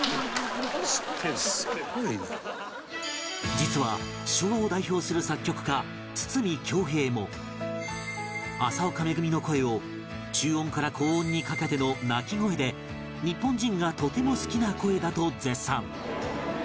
実は昭和を代表する作曲家筒美京平も麻丘めぐみの声を中音から高音にかけての「泣き声」で日本人がとても好きな声だと絶賛